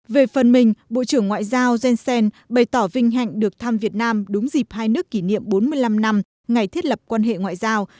về phần mình bộ trưởng ngoại giao jensen bày tỏ vinh hạnh được thăm việt nam đúng dịp hai nước kỷ niệm bốn mươi năm năm ngày thiết lập quan hệ ngoại giao